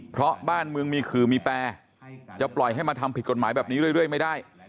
เพราะบ้านเมืองมีขื่อมีแปรจะปล่อยให้มาทำผิดกฎหมายแบบนี้เรื่อยไม่ได้